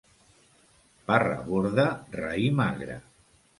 Parra borda, raïm agre.